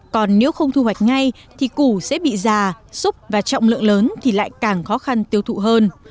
còn nếu không thu hoạch ngay thì củ sẽ bị già xúc và trọng lượng lớn thì lại càng khó khăn tiêu thụ hơn